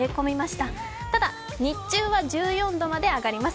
ただ日中は１４度まで上がります。